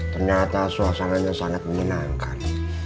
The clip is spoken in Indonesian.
ternyata suasananya sangat menyenangkan